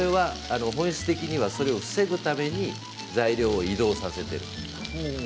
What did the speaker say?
本質的に、それを防ぐために材料を移動させているんです。